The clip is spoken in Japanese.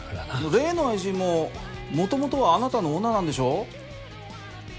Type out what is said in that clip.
例の愛人ももともとはあなたの女なんでしょ？